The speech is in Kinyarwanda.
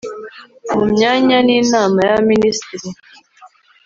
mu myanya ni nama y’abaminisitiri,